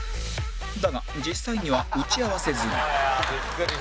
だが実際には打ち合わせ済み